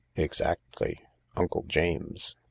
" Exactly. Uncle James.